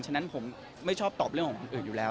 ฉะนั้นผมไม่ชอบตอบเรื่องของคนอื่นอยู่แล้ว